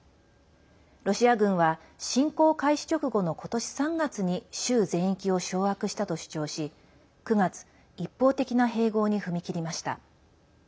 ロシア軍は侵攻開始直後の今年３月に州全域を掌握したと主張し９月、一方的な併合に踏み切りました。